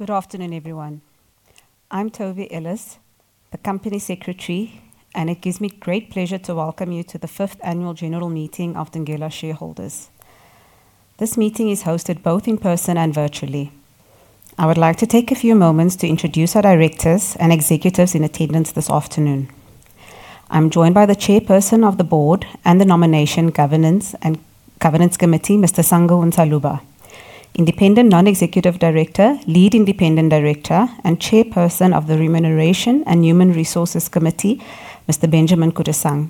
Good afternoon, everyone. I'm Tovi Ellis, the Company Secretary, and it gives me great pleasure to welcome you to the fifth annual general meeting of Thungela shareholders. This meeting is hosted both in person and virtually. I would like to take a few moments to introduce our directors and executives in attendance this afternoon. I'm joined by the Chairperson of the Board and the Nomination Governance Committee, Mr. Sango Ntsaluba. Independent Non-Executive Director, Lead Independent Director, and Chairperson of the Remuneration and Human Resources Committee, Mr. Benjamin Kodisang.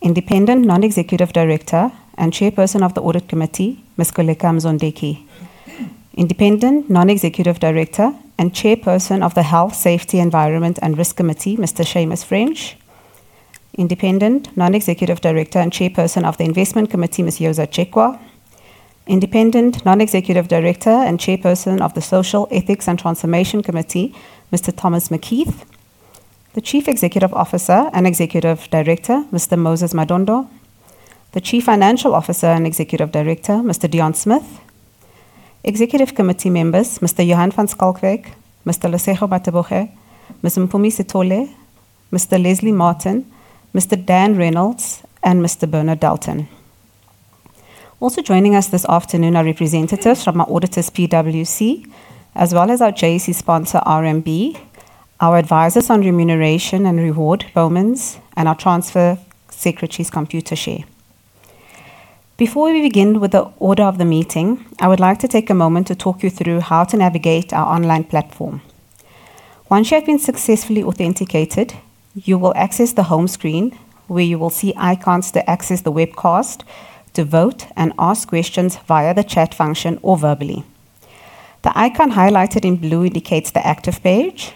Independent Non-Executive Director and Chairperson of the Audit Committee, Ms. Kholeka Mzondeki. Independent Non-Executive Director and Chairperson of the Health, Safety, Environment and Risk Committee, Mr. Seamus French. Independent Non-Executive Director and Chairperson of the Investment Committee, Ms. Yoza Jekwa. Independent Non-Executive Director and Chairperson of the Social Ethics and Transformation Committee, Mr. Thomas McKeith. The Chief Executive Officer and Executive Director, Mr Moses Madondo. The Chief Financial Officer and Executive Director, Mr Deon Smith. Executive committee members, Mr Johan van Schalkwyk, Mr Lesego Mataboge, Ms Mpumi Sithole, Mr Leslie Martin, Mr Deon Smith, and Mr Bernard Dalton. Also joining us this afternoon are representatives from our auditors, PwC, as well as our JSE sponsor, RMB, our advisors on remuneration and reward, Bowmans, and our transfer secretaries, Computershare. Before we begin with the order of the meeting, I would like to take a moment to talk you through how to navigate our online platform. Once you have been successfully authenticated, you will access the home screen where you will see icons to access the webcast, to vote and ask questions via the chat function or verbally. The icon highlighted in blue indicates the active page.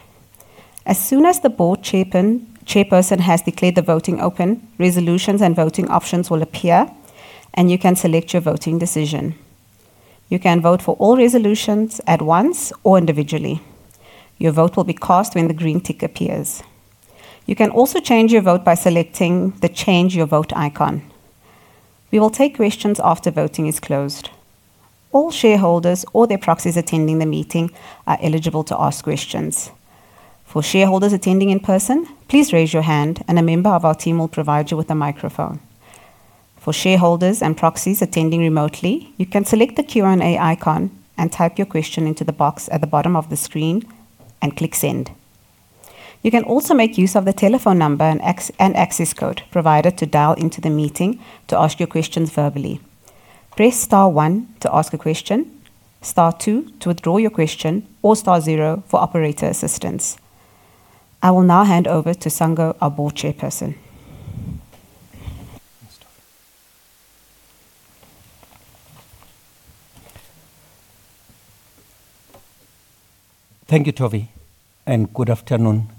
As soon as the board chairperson has declared the voting open, resolutions and voting options will appear, and you can select your voting decision. You can vote for all resolutions at once or individually. Your vote will be cast when the green tick appears. You can also change your vote by selecting the change your vote icon. We will take questions after voting is closed. All shareholders or their proxies attending the meeting are eligible to ask questions. For shareholders attending in person, please raise your hand and a member of our team will provide you with a microphone. For shareholders and proxies attending remotely, you can select the Q&A icon and type your question into the box at the bottom of the screen and click send. You can also make use of the telephone number and access code provided to dial into the meeting to ask your questions verbally. Press star one to ask a question, star two to withdraw your question or star zero for operator assistance. I will now hand over to Sango, our Board Chairperson. Thank you, Tovi, and good afternoon to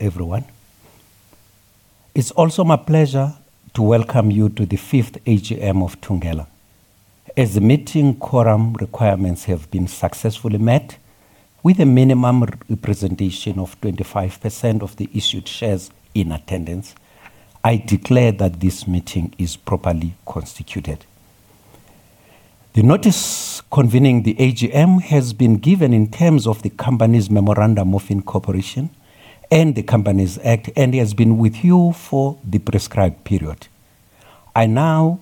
everyone. It's also my pleasure to welcome you to the fifth AGM of Thungela. As meeting quorum requirements have been successfully met with a minimum representation of 25% of the issued shares in attendance, I declare that this meeting is properly constituted. The notice convening the AGM has been given in terms of the company's memorandum of incorporation and the Companies Act, and has been with you for the prescribed period. I now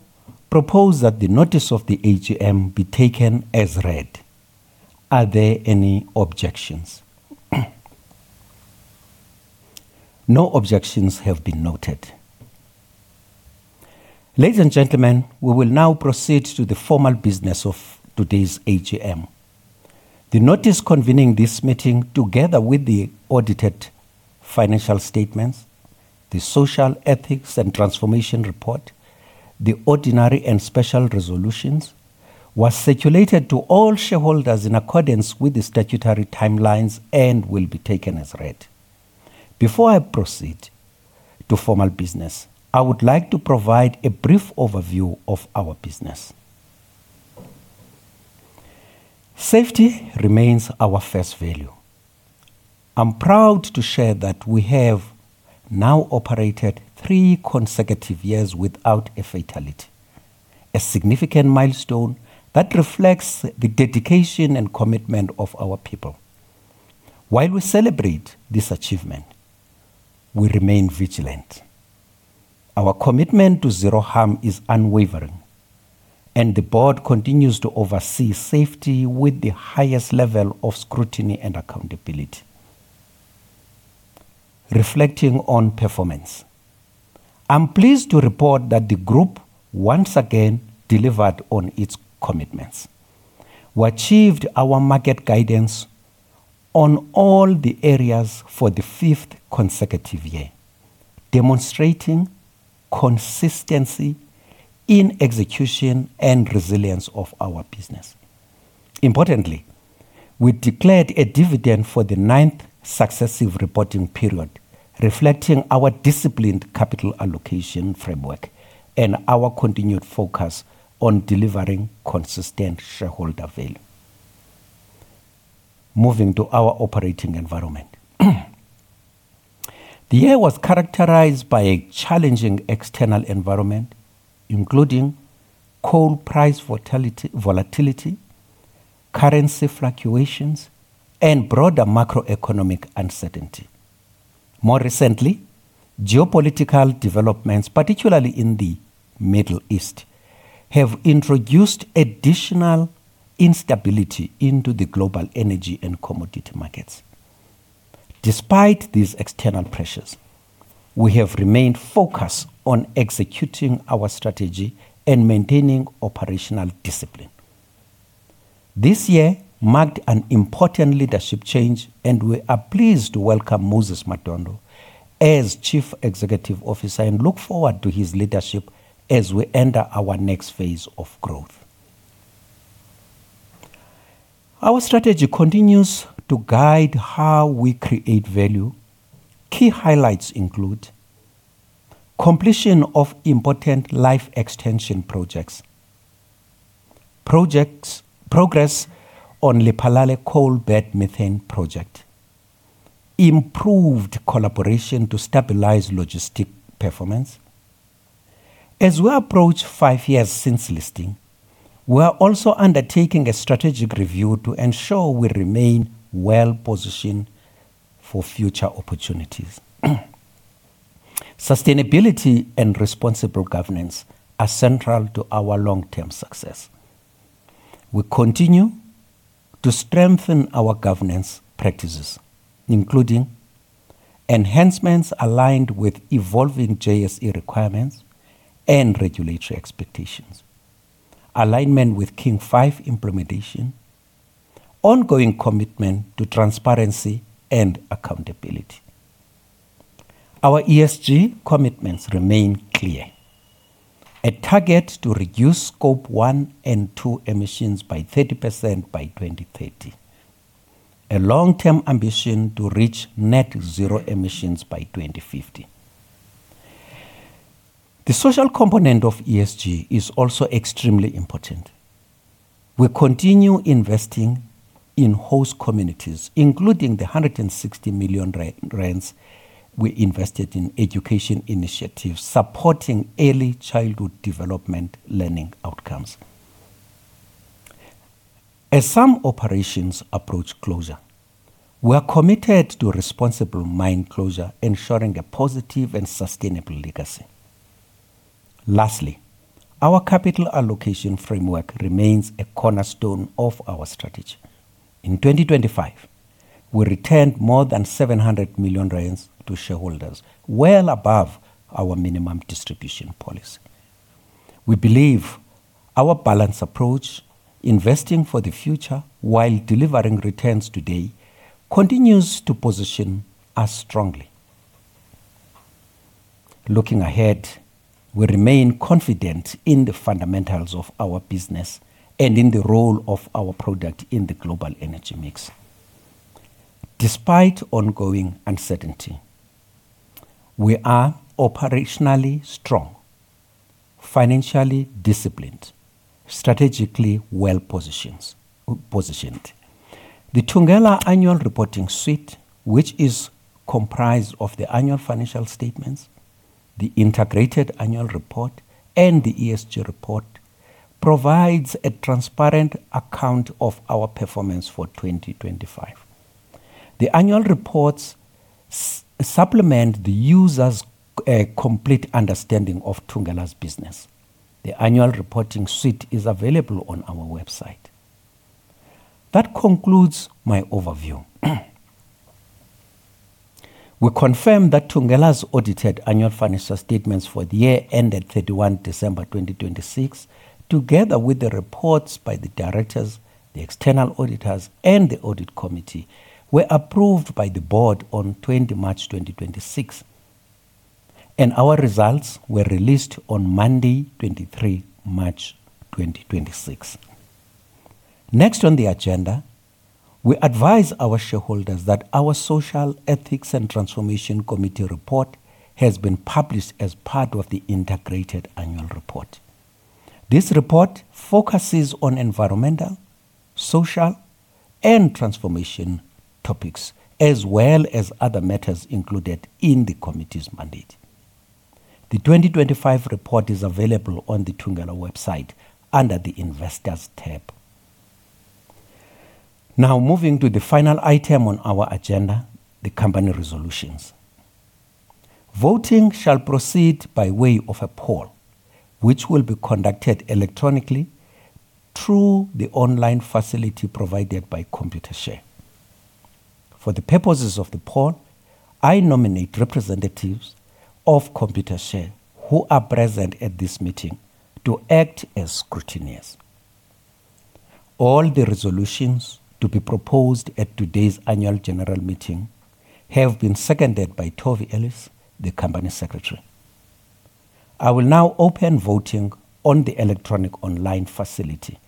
propose that the notice of the AGM be taken as read. Are there any objections? No objections have been noted. Ladies and gentlemen, we will now proceed to the formal business of today's AGM. The notice convening this meeting, together with the audited financial statements, the Social Ethics and Transformation report, the ordinary and special resolutions, was circulated to all shareholders in accordance with the statutory timelines and will be taken as read. Before I proceed to formal business, I would like to provide a brief overview of our business. Safety remains our first value. I'm proud to share that we have now operated three consecutive years without a fatality, a significant milestone that reflects the dedication and commitment of our people. While we celebrate this achievement, we remain vigilant. Our commitment to zero harm is unwavering, and the board continues to oversee safety with the highest level of scrutiny and accountability. Reflecting on performance, I'm pleased to report that the group once again delivered on its commitments. We achieved our market guidance on all the areas for the fifth consecutive year, demonstrating consistency in execution and resilience of our business. Importantly, we declared a dividend for the ninth successive reporting period, reflecting our disciplined capital allocation framework and our continued focus on delivering consistent shareholder value. Moving to our operating environment. The year was characterized by a challenging external environment, including coal price volatility, currency fluctuations, and broader macroeconomic uncertainty. More recently, geopolitical developments, particularly in the Middle East, have introduced additional instability into the global energy and commodity markets. Despite these external pressures, we have remained focused on executing our strategy and maintaining operational discipline. This year marked an important leadership change, and we are pleased to welcome Moses Madondo as Chief Executive Officer and look forward to his leadership as we enter our next phase of growth. Our strategy continues to guide how we create value. Key highlights include completion of important life extension projects, progress on Lephalale coal bed methane project, improved collaboration to stabilize logistics performance. As we approach five years since listing, we are also undertaking a strategic review to ensure we remain well-positioned for future opportunities. Sustainability and responsible governance are central to our long-term success. We continue to strengthen our governance practices, including enhancements aligned with evolving JSE requirements and regulatory expectations, alignment with King IV implementation, ongoing commitment to transparency and accountability. Our ESG commitments remain clear. A target to reduce Scope one and two emissions by 30% by 2030. A long-term ambition to reach net zero emissions by 2050. The social component of ESG is also extremely important. We continue investing in host communities, including the 160 million rand we invested in education initiatives supporting early childhood development learning outcomes. As some operations approach closure, we are committed to responsible mine closure, ensuring a positive and sustainable legacy. Lastly, our capital allocation framework remains a cornerstone of our strategy. In 2025, we returned more than 700 million rand to shareholders, well above our minimum distribution policy. We believe our balanced approach, investing for the future while delivering returns today, continues to position us strongly. Looking ahead, we remain confident in the fundamentals of our business and in the role of our product in the global energy mix. Despite ongoing uncertainty, we are operationally strong, financially disciplined, strategically well-positioned. The Thungela Annual Reporting Suite, which is comprised of the Annual Financial Statements, the Integrated Annual Report, and the ESG Report, provides a transparent account of our performance for 2025. The annual reports supplement the user's complete understanding of Thungela's business. The Annual Reporting Suite is available on our website. That concludes my overview. We confirm that Thungela's audited annual financial statements for the year ended 31 December 2026, together with the reports by the directors, the external auditors, and the audit committee, were approved by the board on 20 March 2026, and our results were released on Monday, 23 March 2026. Next on the agenda, we advise our shareholders that our Social Ethics and Transformation Committee Report has been published as part of the integrated annual report. This report focuses on environmental, social, and transformation topics, as well as other matters included in the committee's mandate. The 2025 report is available on the Thungela website under the Investors tab. Now moving to the final item on our agenda, the company resolutions. Voting shall proceed by way of a poll, which will be conducted electronically through the online facility provided by Computershare. For the purposes of the poll, I nominate representatives of Computershare who are present at this meeting to act as scrutineers. All the resolutions to be proposed at today's annual general meeting have been seconded by Tovi Ellis, the company secretary. I will now open voting on the electronic online facility,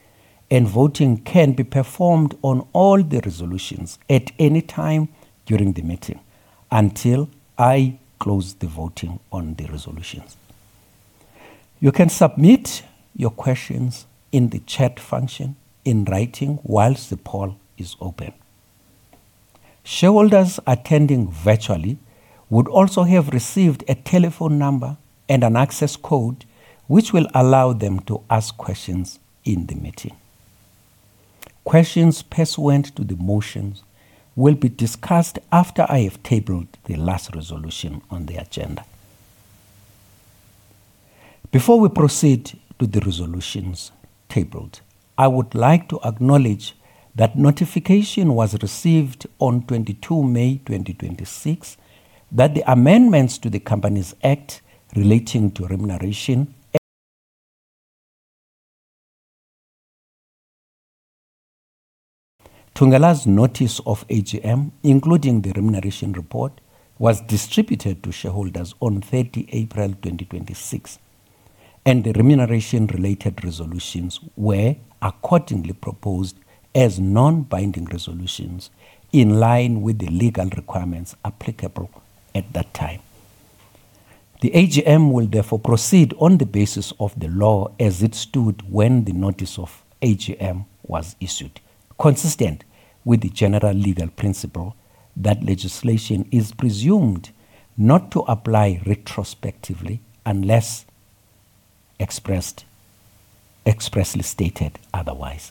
and voting can be performed on all the resolutions at any time during the meeting until I close the voting on the resolutions. You can submit your questions in the chat function in writing while the poll is open. Shareholders attending virtually would also have received a telephone number and an access code, which will allow them to ask questions in the meeting. Questions pursuant to the motions will be discussed after I have tabled the last resolution on the agenda. Before we proceed to the resolutions tabled, I would like to acknowledge that notification was received on 22 May 2026, that the amendments to the Companies Act relating to remuneration. Thungela's notice of AGM, including the remuneration report, was distributed to shareholders on 30 April 2026. The remuneration related resolutions were accordingly proposed as non-binding resolutions in line with the legal requirements applicable at that time. The AGM will therefore proceed on the basis of the law as it stood when the notice of AGM was issued, consistent with the general legal principle that legislation is presumed not to apply retrospectively unless expressly stated otherwise.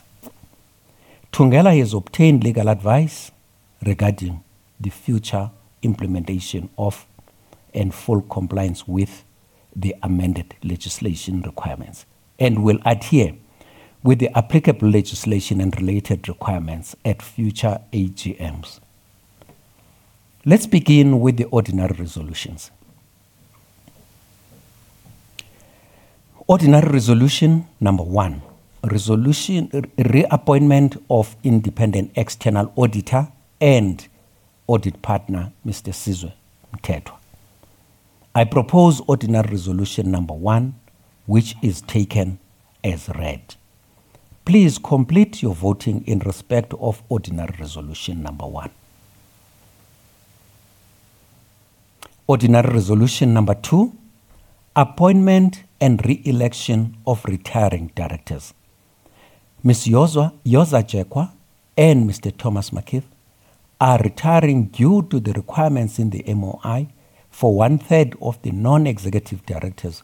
Thungela has obtained legal advice regarding the future implementation of, and full compliance with the amended legislation requirements, and will adhere with the applicable legislation and related requirements at future AGMs. Let's begin with the ordinary resolutions. Ordinary resolution number 1, reappointment of independent external auditor and audit partner, Mr. Sizwe Mtetwa. I propose ordinary resolution number 1, which is taken as read. Please complete your voting in respect of ordinary resolution number 1. Ordinary resolution number 2, appointment and re-election of retiring directors. Ms. Yoza Jekwa and Mr. Thomas McKeith are retiring due to the requirements in the MOI for one-third of the non-executive directors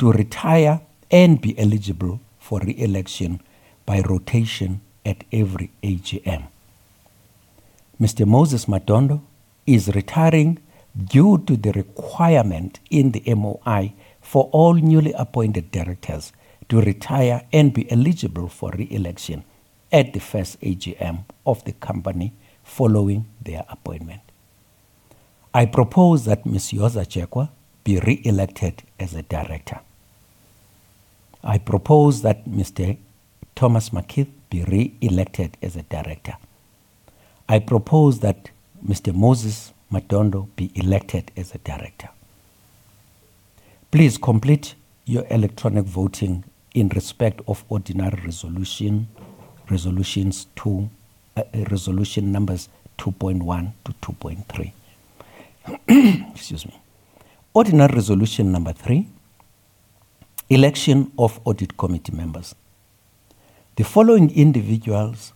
to retire and be eligible for re-election by rotation at every AGM. Mr. Moses Madondo is retiring due to the requirement in the MOI for all newly appointed directors to retire and be eligible for re-election at the first AGM of the company following their appointment. I propose that Ms. Yoza Jekwa be re-elected as a director. I propose that Mr. Thomas McKeith be re-elected as a director. I propose that Mr. Moses Madondo be elected as a director. Please complete your electronic voting in respect of ordinary resolution numbers 2.1 to 2.3. Excuse me. Ordinary resolution number 3, election of Audit Committee members. The following individuals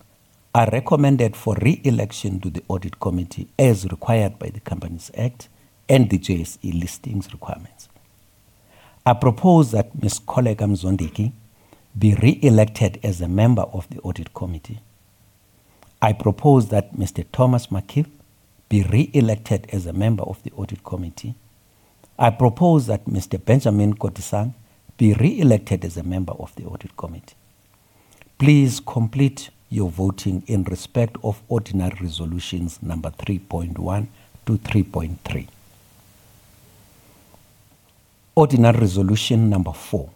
are recommended for re-election to the Audit Committee as required by the Companies Act and the JSE listings requirements. I propose that Ms. Kholeka Mzondeki be re-elected as a member of the Audit Committee. I propose that Mr. Thomas McKeith be re-elected as a member of the Audit Committee. I propose that Mr. Benjamin Kodisang be re-elected as a member of the Audit Committee. Please complete your voting in respect of ordinary resolutions number 3.1 to 3.3. Ordinary resolution number 4,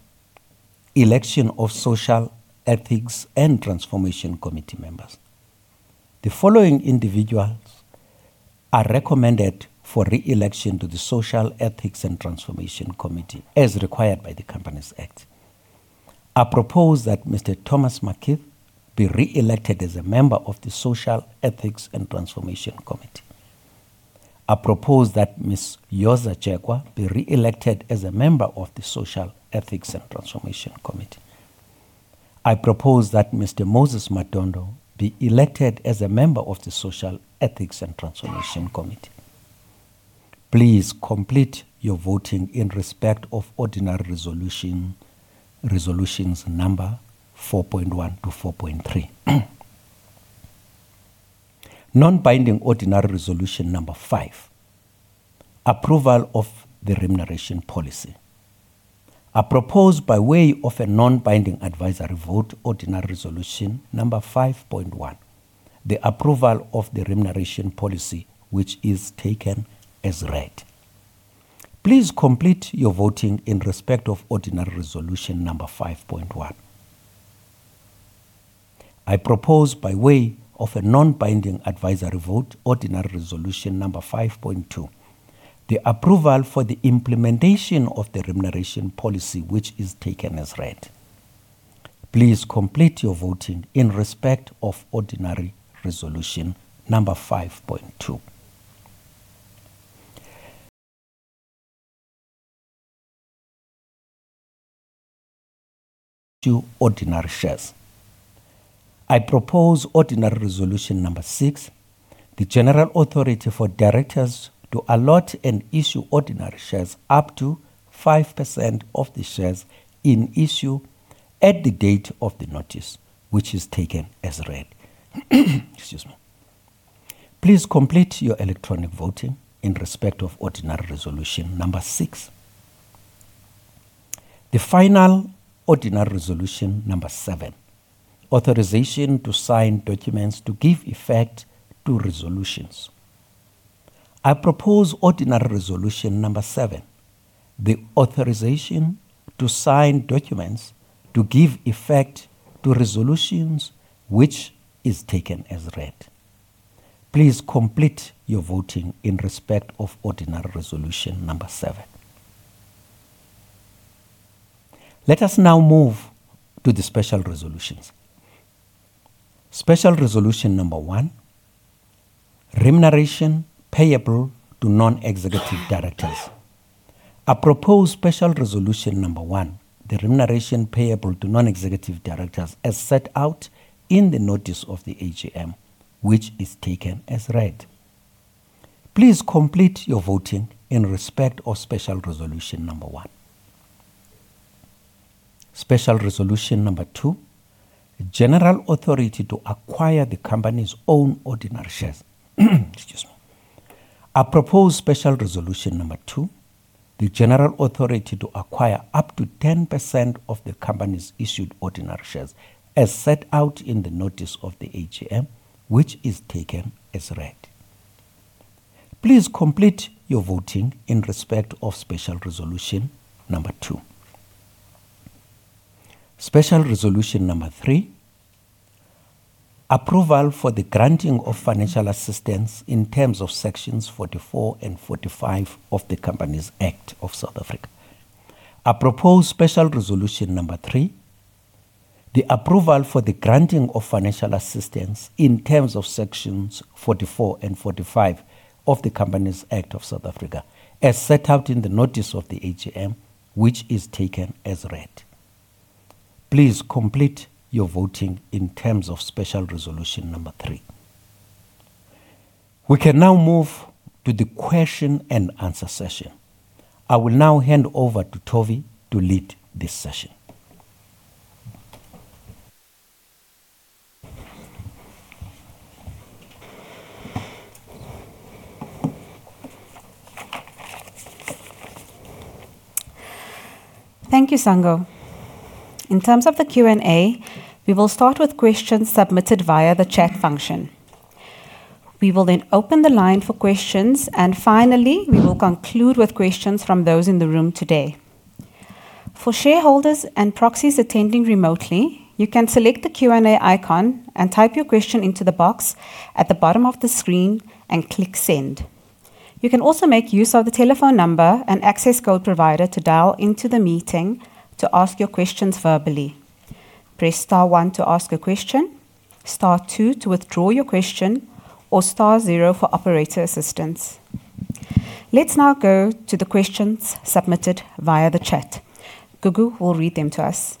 election of Social Ethics and Transformation Committee members. The following individuals are recommended for re-election to the Social Ethics and Transformation Committee as required by the Companies Act. I propose that Mr. Thomas McKeith be re-elected as a member of the social ethics and transformation committee. I propose that Ms. Yoza Jekwa be re-elected as a member of the social ethics and transformation committee. I propose that Mr. Moses Madondo be elected as a member of the social ethics and transformation committee. Please complete your voting in respect of ordinary resolutions number 4.1 to 4.3. Non-binding ordinary resolution number 5, approval of the remuneration policy. I propose by way of a non-binding advisory vote, ordinary resolution number 5.1, the approval of the remuneration policy, which is taken as read. Please complete your voting in respect of ordinary resolution number 5.1. I propose by way of a non-binding advisory vote, ordinary resolution number 5.2, the approval for the implementation of the remuneration policy, which is taken as read. Please complete your voting in respect of ordinary resolution number 5.2. To ordinary shares. I propose ordinary resolution number 6, the general authority for directors to allot and issue ordinary shares up to 5% of the shares in issue at the date of the notice, which is taken as read. Excuse me. Please complete your electronic voting in respect of ordinary resolution number 6. The final ordinary resolution number 7, authorization to sign documents to give effect to resolutions. I propose ordinary resolution number 7, the authorization to sign documents to give effect to resolutions, which is taken as read. Please complete your voting in respect of ordinary resolution number 7. Let us now move to the special resolutions. Special resolution number 1, remuneration payable to non-executive directors. I propose special resolution number 1, the remuneration payable to non-executive directors, as set out in the notice of the AGM, which is taken as read. Please complete your voting in respect of special resolution number 1. Special resolution number 2, general authority to acquire the company's own ordinary shares. Excuse me. I propose special resolution number 2, the general authority to acquire up to 10% of the company's issued ordinary shares, as set out in the notice of the AGM, which is taken as read. Please complete your voting in respect of special resolution number 2. Special resolution number 3, approval for the granting of financial assistance in terms of sections 44 and 45 of the Companies Act of South Africa. I propose special resolution number 3, the approval for the granting of financial assistance in terms of sections 44 and 45 of the Companies Act of South Africa, as set out in the notice of the AGM, which is taken as read. Please complete your voting in terms of special resolution number 3. We can now move to the question and answer session. I will now hand over to Tovi to lead this session. Thank you, Sango. In terms of the Q&A, we will start with questions submitted via the chat function. We will then open the line for questions, and finally, we will conclude with questions from those in the room today. For shareholders and proxies attending remotely, you can select the Q&A icon and type your question into the box at the bottom of the screen and click Send. You can also make use of the telephone number and access code provided to dial into the meeting to ask your questions verbally. Press star one to ask a question, star two to withdraw your question, or star zero for operator assistance. Let's now go to the questions submitted via the chat. Gugu will read them to us.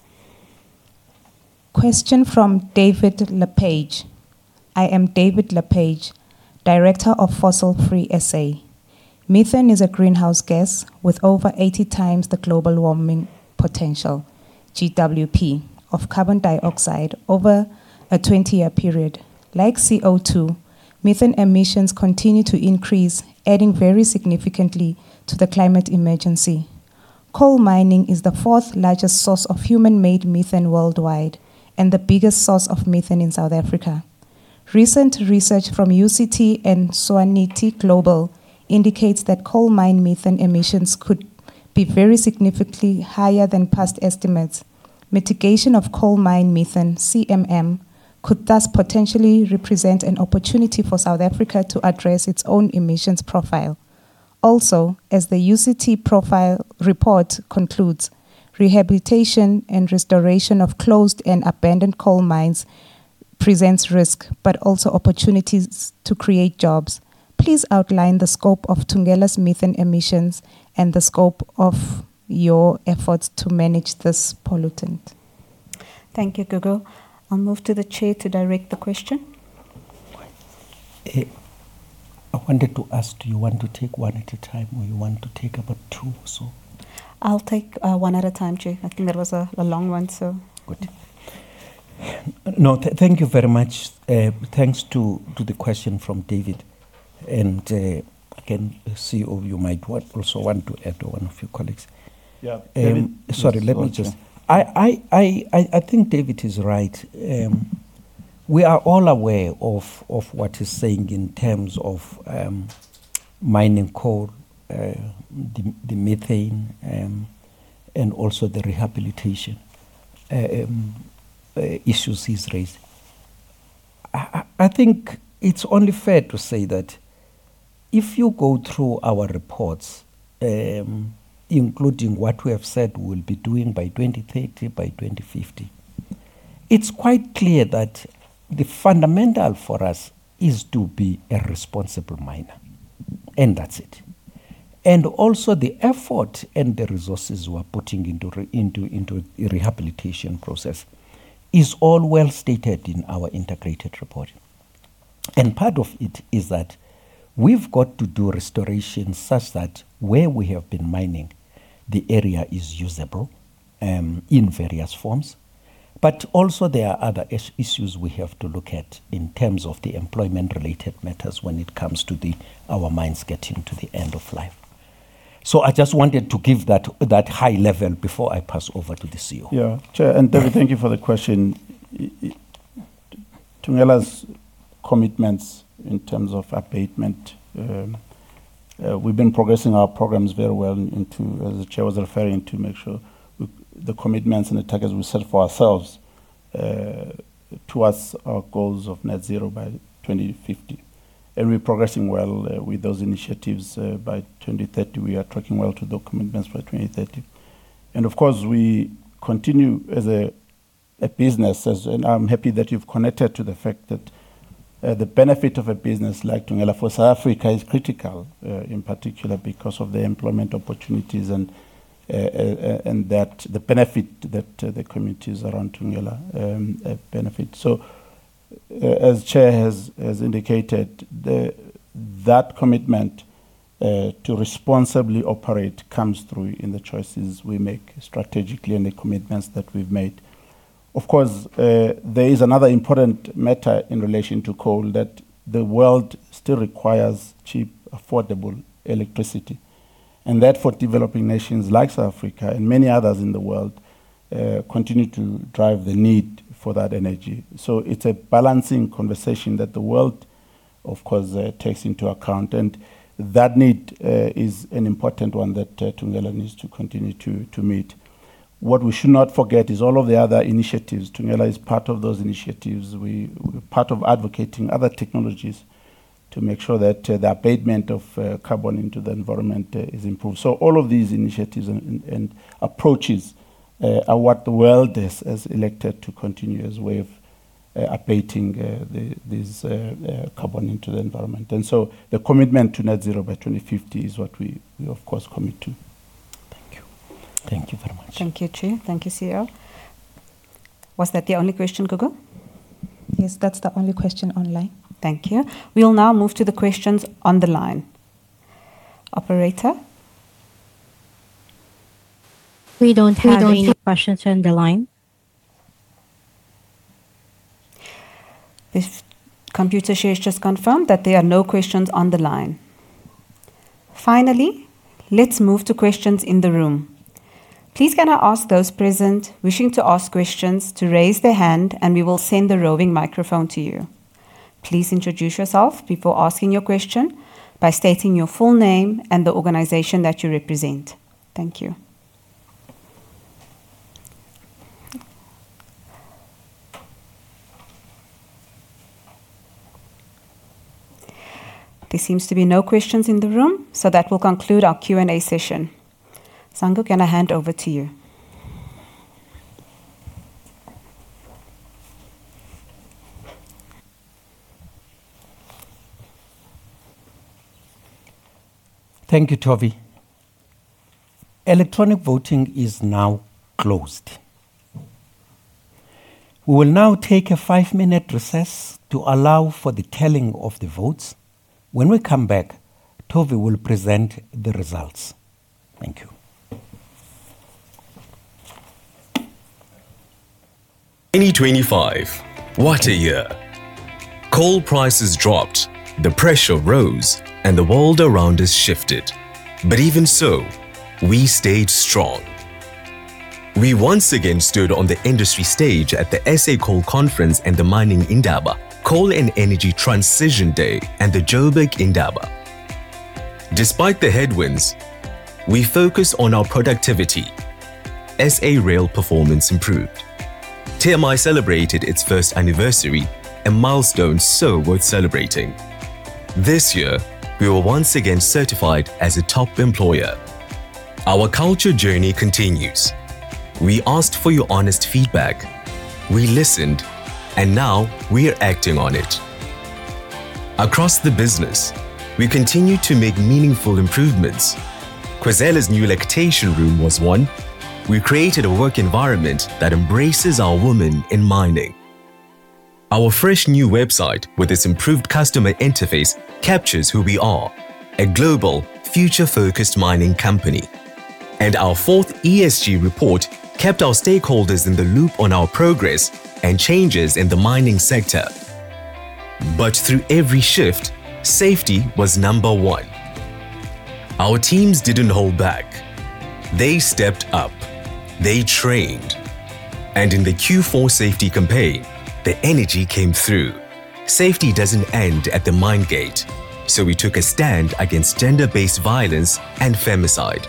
Question from David Le Page. I am David Le Page, director of Fossil Free SA. Methane is a greenhouse gas with over 80 times the global warming potential, GWP, of carbon dioxide over a 20-year period. Like CO2, methane emissions continue to increase, adding very significantly to the climate emergency. Coal mining is the fourth largest source of human-made methane worldwide and the biggest source of methane in South Africa. Recent research from UCT and [SANEDI] Global indicates that coal mine methane emissions could be very significantly higher than past estimates. Mitigation of coal mine methane, CMM, could thus potentially represent an opportunity for South Africa to address its own emissions profile. As the UCT profile report concludes, rehabilitation and restoration of closed and abandoned coal mines presents risk, but also opportunities to create jobs. Please outline the scope of Thungela's methane emissions and the scope of your efforts to manage this pollutant? Thank you, Gugu. I'll move to the chair to direct the question. I wanted to ask, do you want to take one at a time, or you want to take about two or so? I'll take one at a time, Chair. I think that was a long one, so. Good. No, thank you very much. Thanks to the question from David. I can see you might also want to add one of your colleagues. I think David is right. We are all aware of what he's saying in terms of mining coal, the methane, and also the rehabilitation issues he's raising. I think it's only fair to say that if you go through our reports, including what we have said we'll be doing by 2030, by 2050. It's quite clear that the fundamental for us is to be a responsible miner, and that's it. The effort and the resources we're putting into the rehabilitation process is all well stated in our integrated report. Part of it is that we've got to do restoration such that where we have been mining, the area is usable in various forms. There are other issues we have to look at in terms of the employment-related matters when it comes to our mines getting to the end of life. I just wanted to give that high level before I pass over to the CEO. Chair and Tovi, thank you for the question. Thungela's commitments in terms of abatement, we've been progressing our programs very well into, as the chair was referring, to make sure the commitments and the targets we set for ourselves towards our goals of net zero by 2050. We're progressing well with those initiatives. By 2030, we are tracking well to those commitments by 2030. Of course, we continue as a business, and I'm happy that you've connected to the fact that the benefit of a business like Thungela for South Africa is critical, in particular because of the employment opportunities and the benefit that the communities around Thungela benefit. As Chair has indicated, that commitment to responsibly operate comes through in the choices we make strategically and the commitments that we've made. Of course, there is another important matter in relation to coal that the world still requires cheap, affordable electricity. That for developing nations like South Africa and many others in the world, continue to drive the need for that energy. It's a balancing conversation that the world, of course, takes into account, and that need is an important one that Thungela needs to continue to meet. What we should not forget is all of the other initiatives. Thungela is part of those initiatives. We're part of advocating other technologies to make sure that the abatement of carbon into the environment is improved. All of these initiatives and approaches are what the world has elected to continue as way of abating this carbon into the environment. The commitment to net zero by 2050 is what we of course commit to. Thank you. Thank you very much. Thank you, Chair. Thank you, CEO. Was that the only question, Gugu? Yes, that's the only question online. Thank you. We'll now move to the questions on the line. Operator? We don't have any questions on the line. This Computershare has just confirmed that there are no questions on the line. Let's move to questions in the room. Please can I ask those present wishing to ask questions to raise their hand, and we will send the roving microphone to you. Please introduce yourself before asking your question by stating your full name and the organization that you represent. Thank you. There seems to be no questions in the room. That will conclude our Q&A session. Sango, can I hand over to you? Thank you, Tovi. Electronic voting is now closed. We will now take a five-minute recess to allow for the telling of the votes. When we come back, Tovi will present the results. Thank you. 2025, what a year. Coal prices dropped, the pressure rose, and the world around us shifted. Even so, we stayed strong. We once again stood on the industry stage at the SA Coal Conference and the Mining Indaba, Coal and Energy Transition Day, and the Joburg Indaba. Despite the headwinds, we focused on our productivity. SA Rail performance improved. TMI celebrated its first anniversary, a milestone so worth celebrating. This year, we were once again certified as a top employer. Our culture journey continues. We asked for your honest feedback. We listened, now we're acting on it. Across the business, we continue to make meaningful improvements. Khwezela's new lactation room was one. We created a work environment that embraces our women in mining. Our fresh new website, with its improved customer interface, captures who we are, a global, future-focused mining company. Our fourth ESG report kept our stakeholders in the loop on our progress and changes in the mining sector. Through every shift, safety was number one. Our teams didn't hold back. They stepped up. They trained. In the Q4 safety campaign, their energy came through. Safety doesn't end at the mine gate, so we took a stand against gender-based violence and femicide.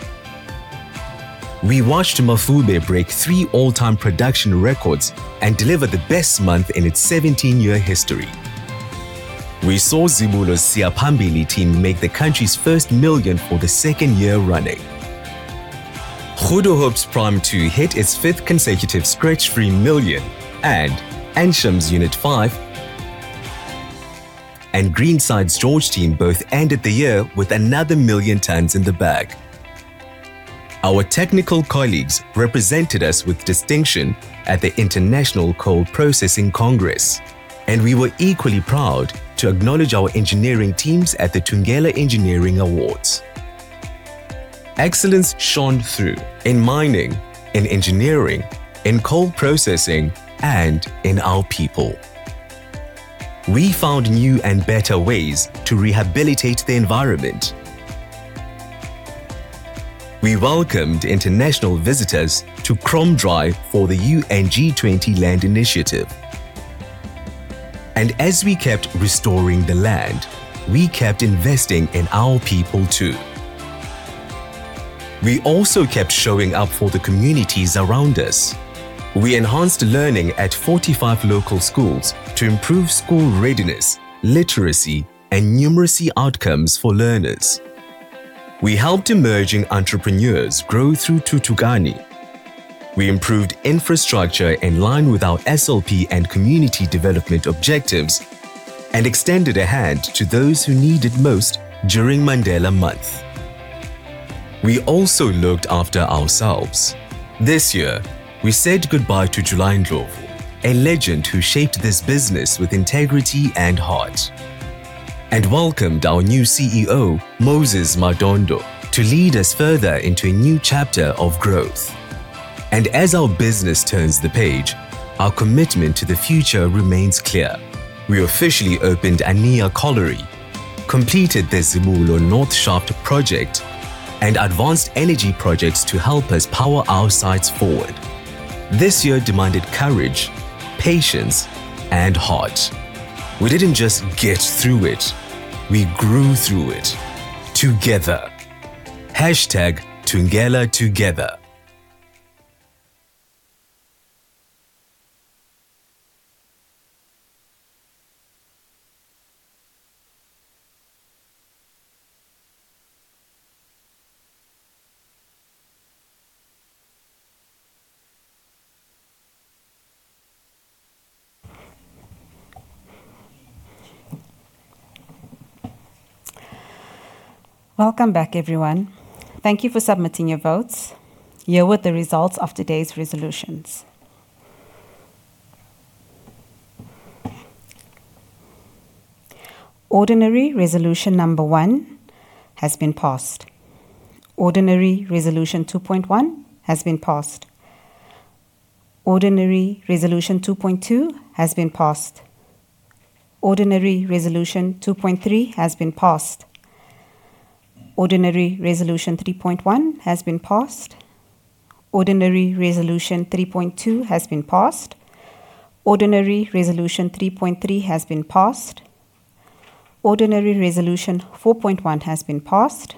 We watched Mafube break three all-time production records and deliver the best month in its 17-year history. We saw Zibulo's Siyaphambili team make the country's first million for the second year running. Goedehoop's Prime Two hit its fifth consecutive scratch free million, and Ensham's Unit Five and Greenside's George Team both ended the year with another million tonnes in the bag. Our technical colleagues represented us with distinction at the International Coal Processing Congress, and we were equally proud to acknowledge our engineering teams at the Thungela Engineering Awards. Excellence shone through in mining, in engineering, in coal processing, and in our people. We found new and better ways to rehabilitate the environment. We welcomed international visitors to Kromdraai for the UN G20 Land Initiative. As we kept restoring the land, we kept investing in our people too. We also kept showing up for the communities around us. We enhanced learning at 45 local schools to improve school readiness, literacy, and numeracy outcomes for learners. We helped emerging entrepreneurs grow through Thuthukani. We improved infrastructure in line with our SLP and community development objectives and extended a hand to those who needed most during Mandela Month. We also looked after ourselves. This year, we said goodbye to July Ndlovu, a legend who shaped this business with integrity and heart. Welcomed our new CEO, Moses Madondo, to lead us further into a new chapter of growth. As our business turns the page, our commitment to the future remains clear. We officially opened Annea Colliery, completed the Zibulo North Shaft project, and advanced energy projects to help us power our sites forward. This year demanded courage, patience, and heart. We didn't just get through it, we grew through it together. #Thungelatogether. Welcome back, everyone. Thank you for submitting your votes. Here with the results of today's resolutions. Ordinary resolution number 1 has been passed. Ordinary Resolution 2.1 has been passed. Ordinary Resolution 2.2 has been passed. Ordinary Resolution 2.3 has been passed. Ordinary Resolution 3.1 has been passed. Ordinary Resolution 3.2 has been passed. Ordinary Resolution 3.3 has been passed.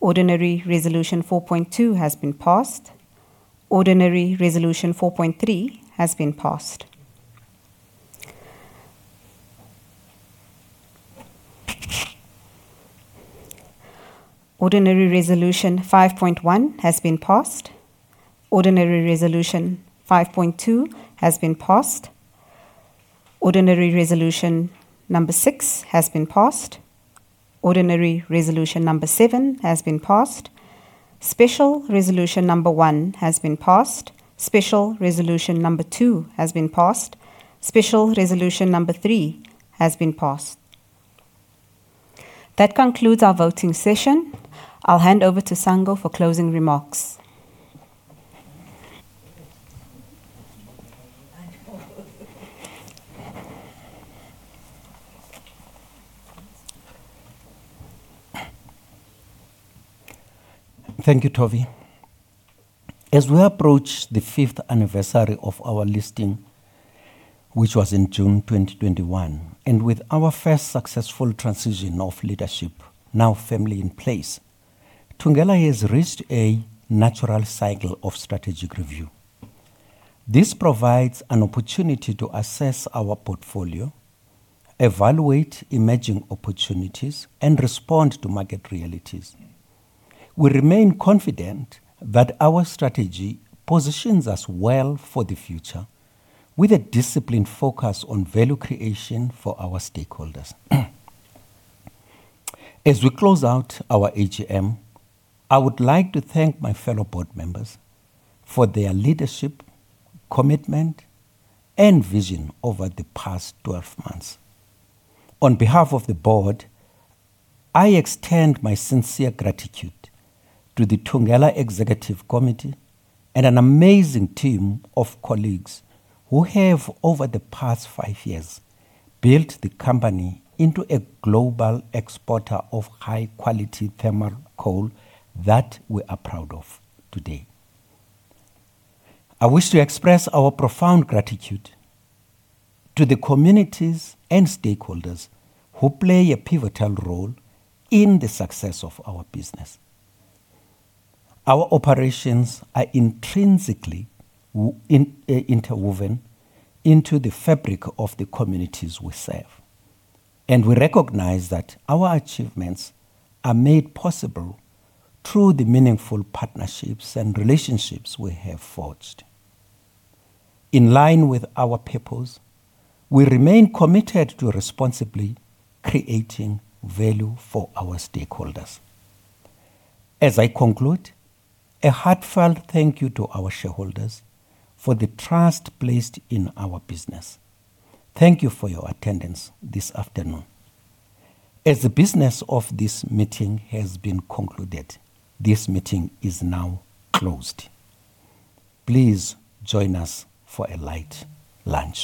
Ordinary Resolution 4.1 has been passed. Ordinary Resolution 4.2 has been passed. Ordinary Resolution 4.3 has been passed. Ordinary Resolution 5.1 has been passed. Ordinary Resolution 5.2 has been passed. Ordinary Resolution Number six has been passed. Ordinary Resolution Number seven has been passed. Special Resolution Number one has been passed. Special Resolution Number two has been passed. Special Resolution Number three has been passed. That concludes our voting session. I'll hand over to Sango for closing remarks. Thank you, Tovi. As we approach the fifth anniversary of our listing, which was in June 2021, with our first successful transition of leadership now firmly in place, Thungela has reached a natural cycle of strategic review. This provides an opportunity to assess our portfolio, evaluate emerging opportunities, and respond to market realities. We remain confident that our strategy positions us well for the future with a disciplined focus on value creation for our stakeholders. As we close out our AGM, I would like to thank my fellow board members for their leadership, commitment, and vision over the past 12 months. On behalf of the board, I extend my sincere gratitude to the Thungela Executive Committee and an amazing team of colleagues who have, over the past five years, built the company into a global exporter of high quality thermal coal that we are proud of today. I wish to express our profound gratitude to the communities and stakeholders who play a pivotal role in the success of our business. Our operations are intrinsically interwoven into the fabric of the communities we serve, and we recognize that our achievements are made possible through the meaningful partnerships and relationships we have forged. In line with our purpose, we remain committed to responsibly creating value for our stakeholders. As I conclude, a heartfelt thank you to our shareholders for the trust placed in our business. Thank you for your attendance this afternoon. As the business of this meeting has been concluded, this meeting is now closed. Please join us for a light lunch